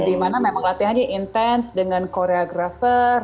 dimana memang latihannya intens dengan koreografer